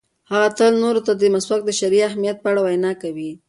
هغه تل نورو ته د مسواک د شرعي اهمیت په اړه وینا کوي.